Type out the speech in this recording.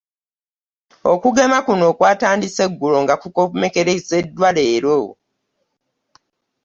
Okugema kuno kwatandise ggulo nga kukomekkerezeddwa leero